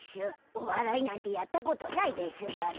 おわらいなんてやったことないでしゅがな。